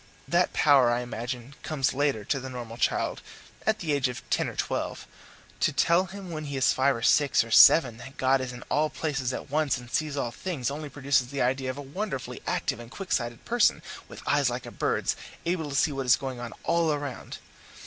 That power, I imagine, comes later to the normal child at the age of ten or twelve. To tell him when he is five or six or seven that God is in all places at once and sees all things, only produces the idea of a wonderfully active and quick sighted person, with eyes like a bird's, able to see what is going on all round.